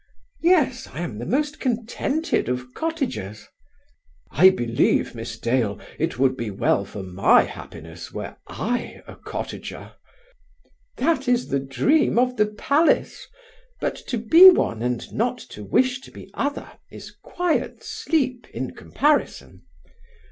"Yes; I am the most contented of cottagers." "I believe, Miss Dale, it would be well for my happiness were I a cottager." "That is the dream of the palace. But to be one, and not to wish to be other, is quiet sleep in comparison."